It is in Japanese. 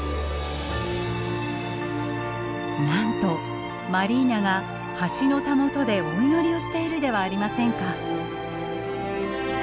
なんとマリーナが橋のたもとでお祈りをしているではありませんか。